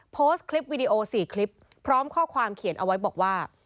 โพสต์คลิปวิดีโอ๔คลิปพร้อมข้อความเขียนเอาไว้บอกว่า